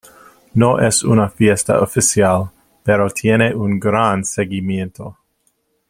No es una fiesta oficial, pero tiene un gran seguimiento.